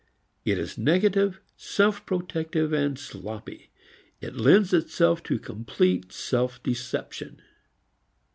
It is negative, self protective and sloppy. It lends itself to complete self deception.